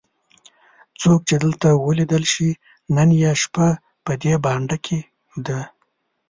څوک چې دلته ولیدل شي نن یې شپه په دې بانډه کې ده.